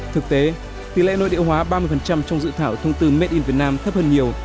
thực tế tỷ lệ nội địa hóa ba mươi trong dự thảo thông tư made in vietnam thấp hơn nhiều